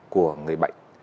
của người bệnh